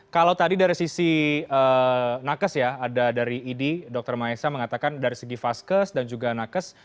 kalau tadi dari sisi nakes ya ada dari idi dr maesa mengatakan dari segi vaskes dan juga nakes